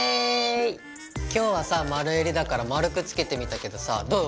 今日はさ丸襟だから丸くつけてみたけどさどう？